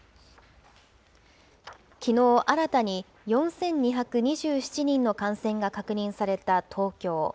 きのう、新たに４２２７人の感染が確認された東京。